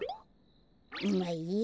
まあいいや。